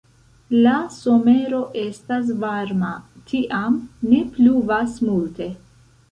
La somero estas varma, tiam ne pluvas multe.